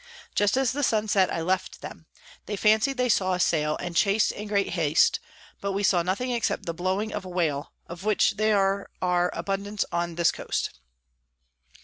Just as the sun set I left them; they fancy'd they saw a Sail, and chas'd in great haste: but we saw nothing except the blowing of a Whale, of which there are abundance on this Coast.